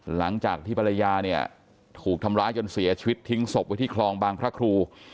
หลังจากที่ภรรยาเนี่ยถูกทำร้ายจนเสียชีวิตทิ้งศพไว้ที่คลองบางพระครู